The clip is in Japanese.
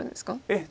ええ。